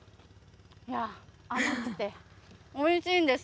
甘くて、おいしいんです。